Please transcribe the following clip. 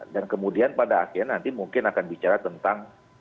dan kemudian pada akhir nanti mungkin akan bicara tentang